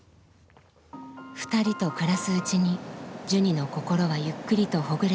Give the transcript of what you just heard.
２人と暮らすうちにジュニの心はゆっくりとほぐれていきました。